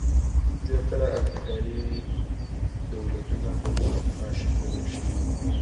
زیاتره افریقايي دولتونه پر جنګي ماشین بدل شوي وو.